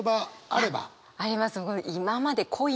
あります。